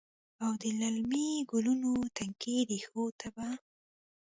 او د للمې ګلونو، تنکۍ ریښو ته به،